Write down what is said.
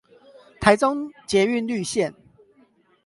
台中捷運綠綫